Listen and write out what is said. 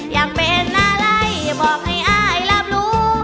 อยากเป็นอะไรบอกให้อายรับรู้